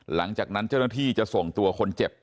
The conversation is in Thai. หลังจากนั้นเจ้าหน้าที่จะส่งตัวคนเจ็บ